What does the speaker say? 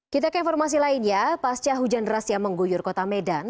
kita ke informasi lain ya pasca hujan ras yang mengguyur kota medan